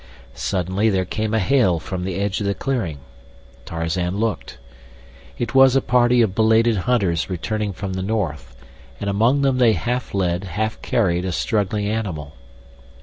Suddenly there came a hail from the edge of the clearing. Tarzan looked. It was a party of belated hunters returning from the north, and among them they half led, half carried a struggling animal.